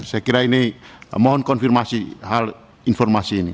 saya kira ini mohon konfirmasi hal informasi ini